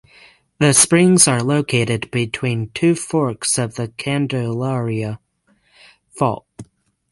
The springs are located between two forks of the Candelaria fault.